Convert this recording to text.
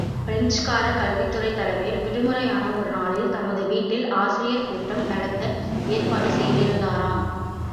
பிரெஞ்சுக்காரக் கல்வித்துறைத் தலைவர் விடுமுறையான ஒருநாளில் தமது வீட்டில் ஆசிரியர் கூட்டம் நடத்த ஏற்பாடு செய்திருந்தாராம்.